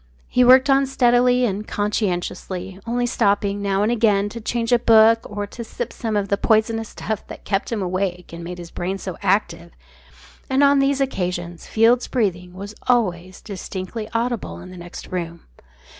He worked on steadily and conscientiously, only stopping now and again to change a book, or to sip some of the poisonous stuff that kept him awake and made his brain so active, and on these occasions Field's breathing was always distinctly audible in the room.